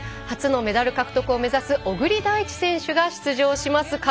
初のメダル獲得を目指す小栗大地選手が出場します。